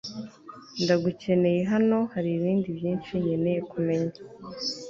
ndagukeneye hano haribindi byinshi nkeneye kumenya